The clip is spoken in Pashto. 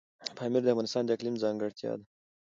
پامیر د افغانستان د اقلیم ځانګړتیا ده.